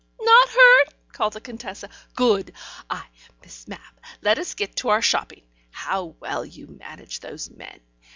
"Not hurt?" called the Contessa. "Good! Ah, Miss Mapp, let us get to our shopping! How well you manage those men!